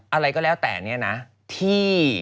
อะไรก็แล้วแต่เนี่ยนะที่